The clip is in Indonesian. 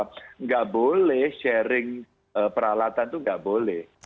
tidak boleh sharing peralatan itu nggak boleh